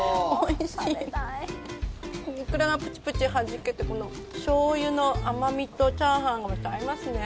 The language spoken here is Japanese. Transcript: イクラがプチプチはじけてしょうゆの甘味とチャーハンがまた合いますね。